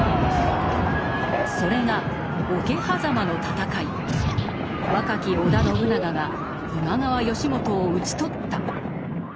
それが若き織田信長が今川義元を討ち取った。